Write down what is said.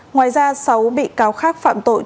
ngoài ra sáu bị cáo khác phạm tội